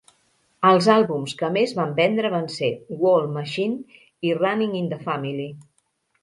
Els àlbums que més van vendre van ser "World Machine" i "Running in the Family".